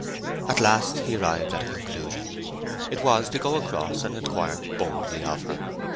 At last he arrived at a conclusion. It was to go across and inquire boldly of her.